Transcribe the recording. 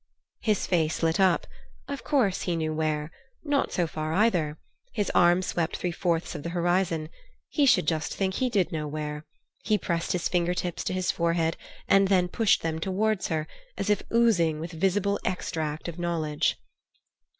His face lit up. Of course he knew where. Not so far either. His arm swept three fourths of the horizon. He should just think he did know where. He pressed his finger tips to his forehead and then pushed them towards her, as if oozing with visible extract of knowledge.